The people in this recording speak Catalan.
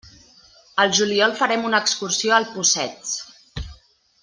Al juliol farem una excursió al Possets.